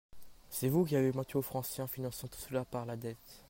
C’est vous qui avez menti aux Français en finançant tout cela par la dette